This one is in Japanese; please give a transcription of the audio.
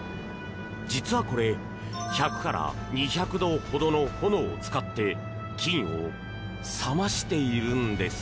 実はこれ、１００から２００度ほどの炎を使って金を冷ましているのです。